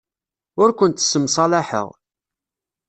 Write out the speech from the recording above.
Ur kent-ssemṣalaḥeɣ.